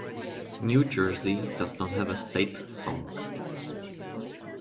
New Jersey does not have a state song.